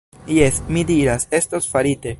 Jes, mi diras, estos farite.